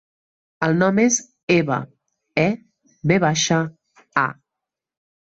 El nom és Eva: e, ve baixa, a.